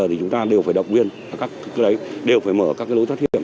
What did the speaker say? bây giờ thì chúng ta đều phải đọc nguyên đều phải mở các lối thoát hiểm